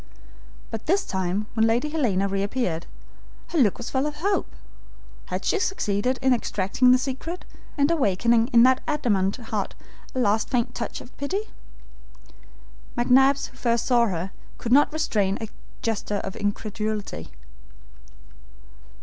But this time when Lady Helena reappeared, her look was full of hope. Had she succeeded in extracting the secret, and awakening in that adamant heart a last faint touch of pity? McNabbs, who first saw her, could not restrain a gesture of incredulity.